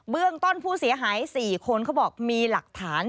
เรื่องต้นผู้เสียหาย๔คนเขาบอกมีหลักฐาน